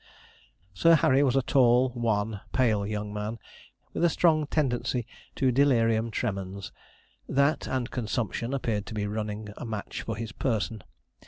Sir Harry was a tall, wan, pale young man, with a strong tendency to delirium tremens; that, and consumption, appeared to be running a match for his person.